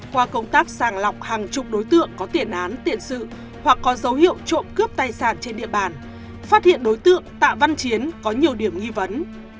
qua công tác sàng lọc hàng chục đối tượng có tiền án tiền sự hoặc có dấu hiệu trộm cướp tài sản trên địa bàn phát hiện đối tượng tạ văn chiến có nhiều điểm nghi vấn